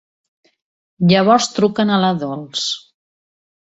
Llavors truquen a la Dols.